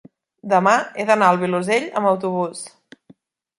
demà he d'anar al Vilosell amb autobús.